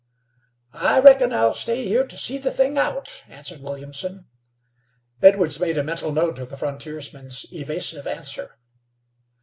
"I reckon I'll stay here to see the thing out," answered Williamson. Edwards made a mental note of the frontiersman's evasive answer.